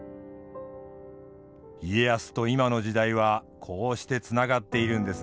家康と今の時代はこうしてつながっているんですね。